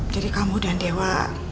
jadi kamu dan dewa